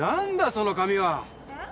その髪は。えっ？